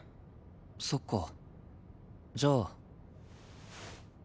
そっかじゃあ。